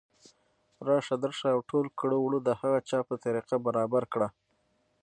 راشه درشه او او ټول کړه وړه د هغه چا په طریقه برابر کړه